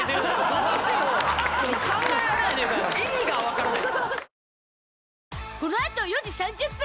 どうしても考えられないというか意味がわからない。